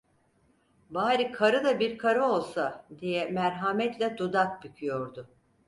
"Bari karı da bir karı olsa!" diye merhametle dudak büküyordu.